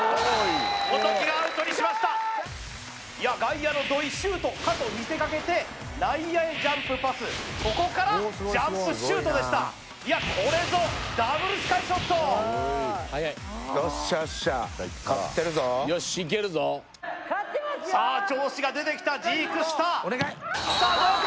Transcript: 元木がアウトにしましたいや外野の土井シュートかと見せかけて内野へジャンプパスここからジャンプシュートでしたいやこれぞよっしゃよっしゃよしいけるぞさあ調子が出てきたジークスターさあどうか？